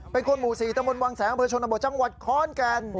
เป็นคนหมู๔กำลังแสงเชิงอนุโปรดเมื่อจังหวัดคล้อนการ